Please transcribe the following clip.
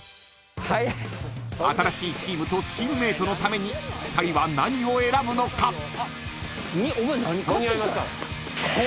［新しいチームとチームメートのために２人は何を選ぶのか？］